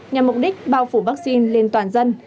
nhằm mục đích bao phủ vaccine lên toàn dân